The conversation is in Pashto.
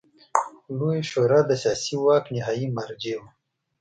لویه شورا د سیاسي واک نهايي مرجع وه.